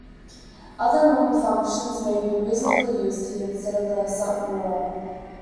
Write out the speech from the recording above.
Other norm functions may be reasonably used here instead of the sup-norm.